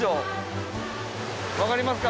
分かりますか？